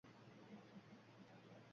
Resurslarning tejalishiga olib keladi.